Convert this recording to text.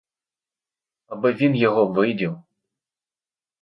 Аби він його видів.